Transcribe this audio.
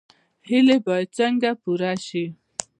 هیلې باید څنګه پوره شي؟